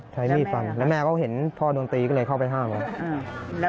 ใช้มีดฟันแล้วแม่เขาเห็นพ่อโดนตีก็เลยเข้าไปห้ามแล้ว